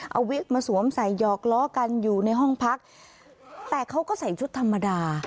เอาวิกมาสวมใส่หยอกล้อกันอยู่ในห้องพักแต่เขาก็ใส่ชุดธรรมดา